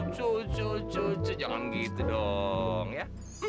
cucu cucu jangan gitu dong ya